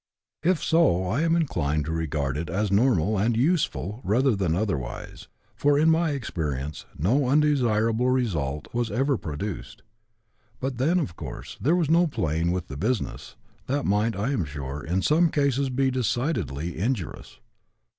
If so, I am inclined to regard it as normal and useful rather than otherwise, for in my experience no undesirable result was ever produced. But then, of course, there was no playing with the business; that might, I am sure, in some cases be decidedly injurious.